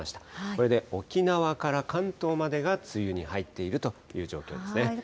これで沖縄から関東までが梅雨に入っているという状況ですね。